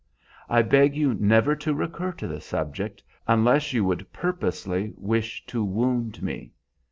I beg you never to recur to the subject, unless you would purposely wish to wound me.